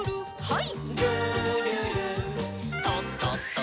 はい。